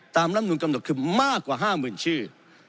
ตามน้ำหนุนกำหนดคือมากกว่า๕หมื่นชื่อ